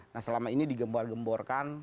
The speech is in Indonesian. nah selama ini digembar gemborkan